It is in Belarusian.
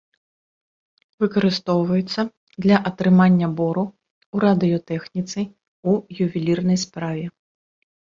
Выкарыстоўваецца для атрымання бору, у радыётэхніцы, у ювелірнай справе.